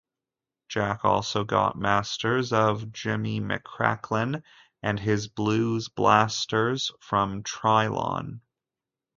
Jack also got masters of Jimmy McCracklin and His Blues Blasters from Trilon.